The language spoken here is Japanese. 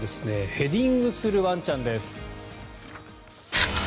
ヘディングするワンちゃんです。